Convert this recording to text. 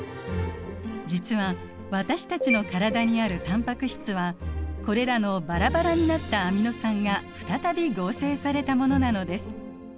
実は私たちの体にあるタンパク質はこれらのバラバラになったアミノ酸が再び合成されたものなのです。